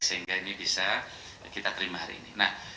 sehingga ini bisa kita terima hari ini